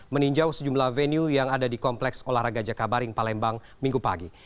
meninjau sejumlah venue yang ada di kompleks olahraga jakabaring palembang minggu pagi